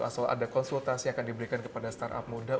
asal ada konsultasi akan diberikan kepada startup muda